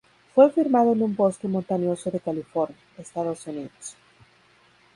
Fue firmado en un bosque montañoso de California, Estados Unidos.